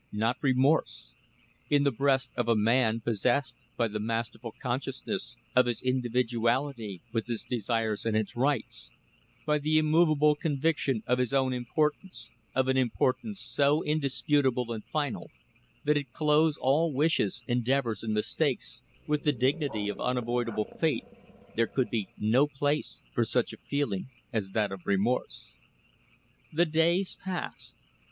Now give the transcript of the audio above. Not remorse. In the breast of a man possessed by the masterful consciousness of his individuality with its desires and its rights; by the immovable conviction of his own importance, of an importance so indisputable and final that it clothes all his wishes, endeavours, and mistakes with the dignity of unavoidable fate, there could be no place for such a feeling as that of remorse. The days passed.